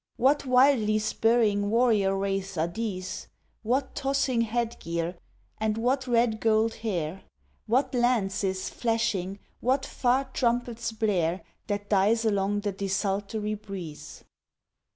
What wildly spurring warrior wraiths are these? What tossing headgear, and what red gold hair? What lances flashing, what far trumpet's blare That dies along the desultory breeze?